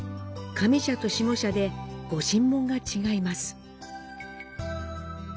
上社と下社で御神紋が違います。